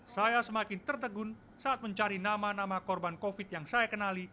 saya semakin tertegun saat mencari nama nama korban covid yang saya kenali